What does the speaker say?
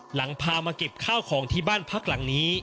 หลังพามาเก็บข้าวของที่บ้านพักหลังนี้